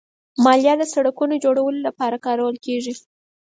مالیه د سړکونو جوړولو لپاره کارول کېږي.